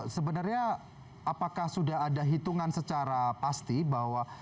sebenarnya apakah sudah ada hitungan secara pasti bahwa